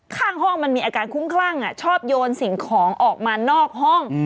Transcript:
ข้างห้องมันมีอาการคุ้มคลั่งชอบโยนสิ่งของออกมานอกห้อง